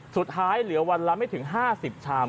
เหลือวันละไม่ถึง๕๐ชาม